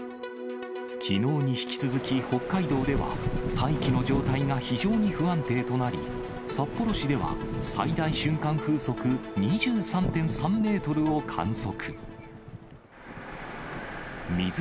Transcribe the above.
きのうに引き続き北海道では、大気の状態が非常に不安定となり、札幌市では最大瞬間風速２３．３メートルを観測。